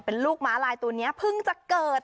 เป็นลูกม้าลายตัวนี้เพิ่งจะเกิด